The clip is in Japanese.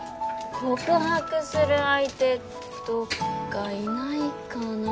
告白する相手どっかいないかな？